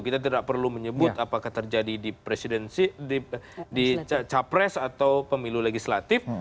kita tidak perlu menyebut apakah terjadi di presidensi di capres atau pemilu legislatif